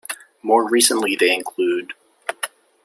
More recently, they include...